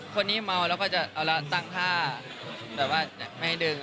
คนนี้เมาแล้วก็จะเอาละตั้งท่าแบบว่าไม่ให้ดึง